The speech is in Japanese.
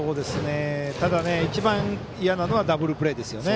ただ、一番嫌なのはダブルプレーですよね。